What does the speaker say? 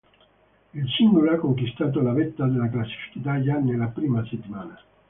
Il singolo ha conquistato la vetta della classifica già nella prima settimana.